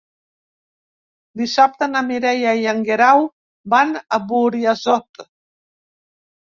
Dissabte na Mireia i en Guerau van a Burjassot.